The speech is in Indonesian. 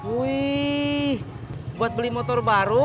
wih buat beli motor baru